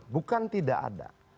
bukan tidak ada